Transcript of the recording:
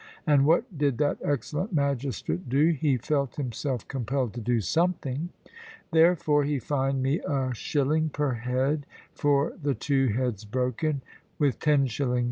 And what did that excellent magistrate do? He felt himself compelled to do something. Therefore he fined me a shilling per head for the two heads broken, with 10s.